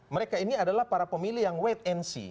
mereka ini adalah para pemilih yang wait and see